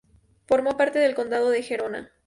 Formó parte del Condado de Gerona.